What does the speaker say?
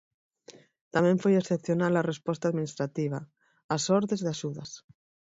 Tamén foi excepcional a resposta administrativa: as ordes de axudas.